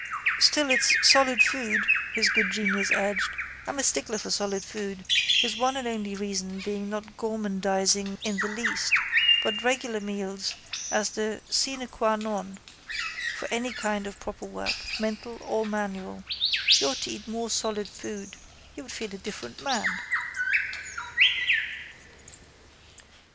—Still it's solid food, his good genius urged, I'm a stickler for solid food, his one and only reason being not gormandising in the least but regular meals as the sine qua non for any kind of proper work, mental or manual. You ought to eat more solid food. You would feel a different man.